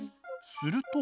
すると。